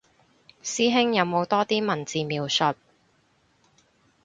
師兄有冇多啲文字描述